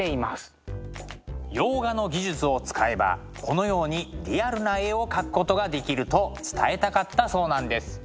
洋画の技術を使えばこのようにリアルな絵を描くことができると伝えたかったそうなんです。